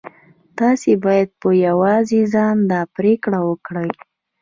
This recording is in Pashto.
تاسې بايد په يوازې ځان دا پرېکړه وکړئ.